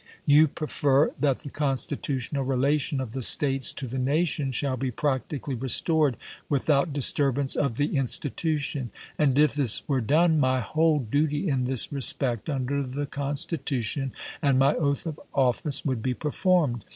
You prefer that the constitutional relation of the States to the nation shall be practically restored without dis turbance of the institution ; and if this were done, my whole duty in this respect, under the Constitution and my oath of office, would be performed.